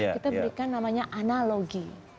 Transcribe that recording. kita berikan namanya analogi